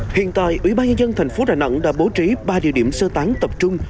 hiện tại ủy ban nhân dân thành phố đà nẵng đã bố trí ba địa điểm sơ tán tập trung